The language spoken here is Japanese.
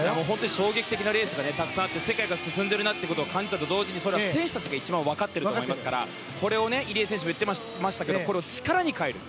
衝撃的なレースがたくさんあって世界が進んでいるなということを感じたと同時にそれは選手もわかっていると思いますからこれを入江選手も言ってましたがこれを力に変える。